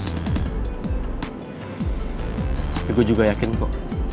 tapi gue juga yakin kok